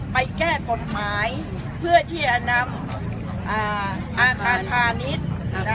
แก้กฎหมายเพื่อที่จะนำอาคารพาณิชย์